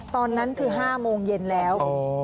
ตอนนั้นคือ๑๓๐๐นแล้ว